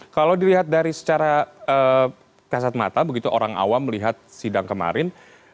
kalau dilihat dari secara kasat mata begitu orang awam melihat sidang kemarin